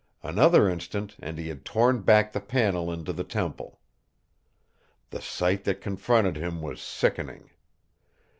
Another instant, and he had torn back the panel into the temple. The sight that confronted him was sickening.